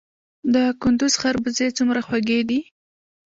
د کندز خربوزې څومره خوږې دي؟